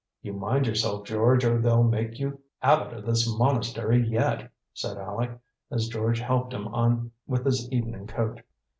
"You mind yourself, George, or they'll make you abbot of this monastery yet!" said Aleck, as George helped him on with his evening coat.